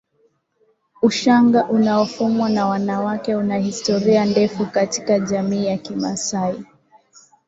Ushanga unaofumwa na wanawake una historia ndefu katika jamii ya kimasai